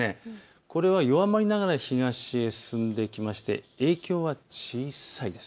これが、弱まりながら東へ進んでいきまして影響は小さいです。